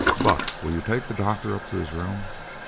Buck, will you take the doctor up to his room?"